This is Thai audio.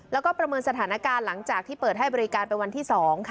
แล้วก็ประเมินสถานการณ์หลังจากที่เปิดให้บริการเป็นวันที่๒